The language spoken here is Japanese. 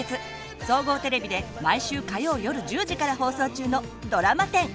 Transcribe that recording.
総合テレビで毎週火曜夜１０時から放送中のドラマ１０